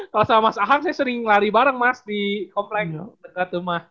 kalau sama mas aham saya sering lari bareng mas di komplek dekat rumah